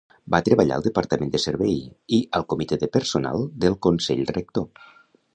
Va treballar al Departament de Servei, i al Comitè de Personal del Consell Rector.